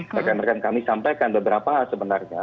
mereka merenkan kami sampaikan beberapa sebenarnya